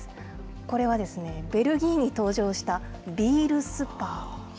これはベルギーに登場したビール・スパ。